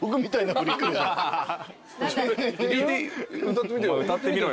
歌ってみてよ。